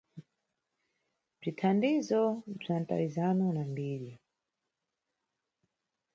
Bzithandizo bza mtawizano na mbiri.